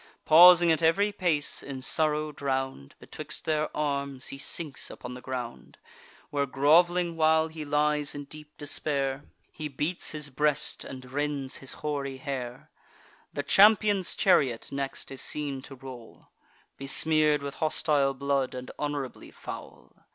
Pausing at ev'ry pace, in sorrow drown'd, Betwixt their arms he sinks upon the ground; Where grov'ling while he lies in deep despair, He beats his breast, and rends his hoary hair. The champion's chariot next is seen to roll, Besmear'd with hostile blood, and honourably foul.